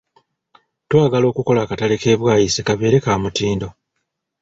Twagala okukola akatale k’e Bwaise kabeere ka mutindo.